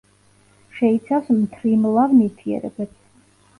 შეიცავს მთრიმლავ ნივთიერებებს.